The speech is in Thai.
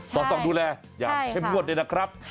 ตอบส่งดูแลอย่าเพิ่งพิโรทเลยนะครับ